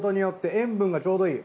塩分がちょうどいい。